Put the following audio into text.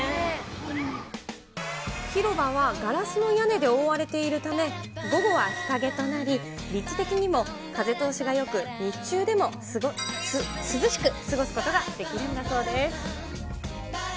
広場はガラスの屋根で覆われているため、午後は日陰となり、立地的にも風通しがよく、日中でも涼しく過ごすことができるんだそうです。